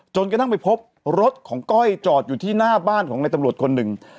กระทั่งไปพบรถของก้อยจอดอยู่ที่หน้าบ้านของในตำรวจคนหนึ่ง